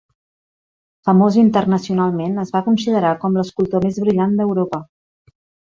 Famós internacionalment, es va considerar com l'escultor més brillant d'Europa.